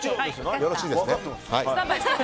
よろしいですね。